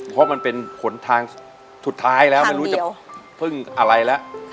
เพราะมันเป็นผลทางสุดท้ายแล้วไม่รู้จะพึ่งอะไรแล้ว